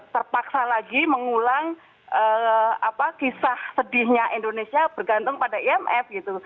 terpaksa lagi mengulang kisah sedihnya indonesia bergantung pada imf gitu